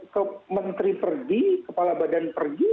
kementeri pergi kepala badan pergi